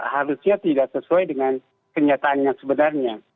harusnya tidak sesuai dengan kenyataannya sebenarnya